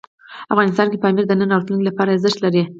افغانستان کې پامیر د نن او راتلونکي لپاره ارزښت لري.